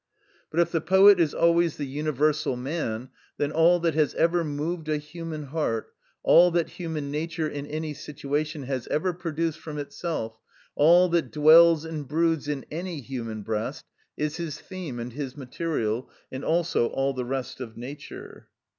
But if the poet is always the universal man, then all that has ever moved a human heart, all that human nature in any situation has ever produced from itself, all that dwells and broods in any human breast—is his theme and his material, and also all the rest of nature.